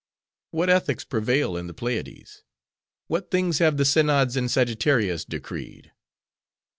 What ethics prevail in the Pleiades? What things have the synods in Sagittarius decreed?"